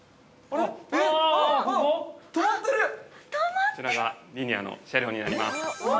◆こちらがリニアの車両になります。